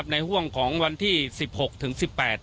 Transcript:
ในห่วงของวันที่๑๖ถึง๑๘